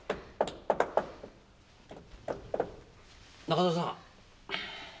中澤さん。